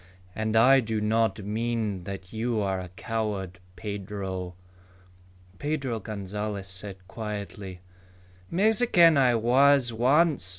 "And I do not mean that you are a coward, Pedro." Pedro Gonzalez said quietly, "Mexican I was once.